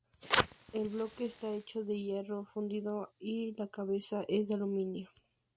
El bloque está hecho de hierro fundido y la cabeza es de aluminio.